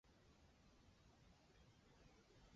长管毛管蚜为毛管蚜科毛管蚜属下的一个种。